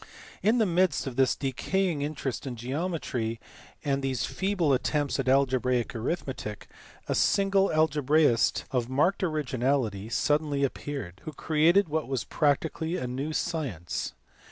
In the midst of this decaying interest in geometry and these feeble attempts at algebraic arithmetic, a single algebraist of marked originality suddenly appeared who created what was practically a new science.